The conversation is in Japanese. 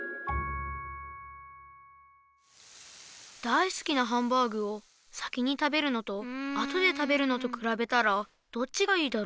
大すきなハンバーグを先に食べるのとあとで食べるのとくらべたらどっちがいいだろう？